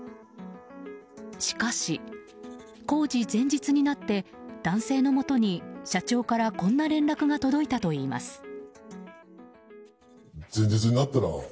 しかし工事前日になって男性のもとに社長から、こんな連絡が届いたと言います。